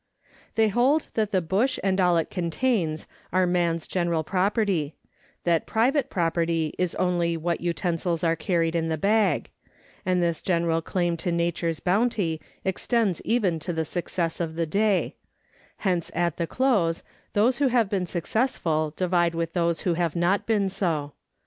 They hold that the bush and all it contains are man's general property ; that private property is only what utensils are carried in the bag; and this general claim to nature's bounty extends even to the success of the day; hence at the close, those who have been successful divide with those who have not been so.